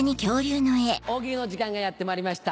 「大喜利」の時間がやってまいりました。